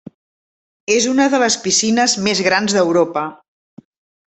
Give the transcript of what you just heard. És una de les piscines més grans d'Europa.